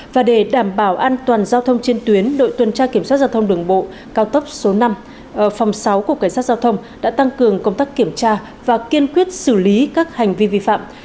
và để đảm bảo an toàn giao thông trên tuyến đội tuần tra kiểm soát giao thông đường bộ cao tốc số năm phòng sáu của cảnh sát giao thông đã tăng cường công tác kiểm tra và kiên quyết xử lý các hành vi vi phạm